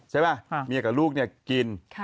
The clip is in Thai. ใช่ไหมเมียกับลูกกิน